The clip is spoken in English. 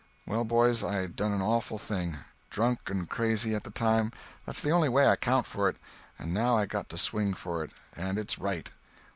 Well, boys, I done an awful thing—drunk and crazy at the time—that's the only way I account for it—and now I got to swing for it, and it's right.